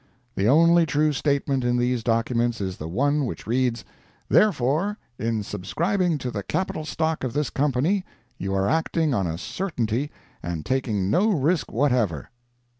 The only true statement in these documents is the one which reads—"Therefore, in subscribing to the capital stock of this company, you are acting on a certainty, and taking no risk whatever."